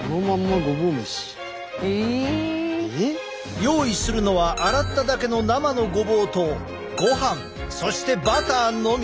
ええ？用意するのは洗っただけの生のごぼうとごはんそしてバターのみ。